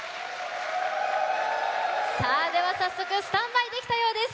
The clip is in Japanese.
早速スタンバイできたようです。